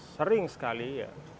sering sekali ya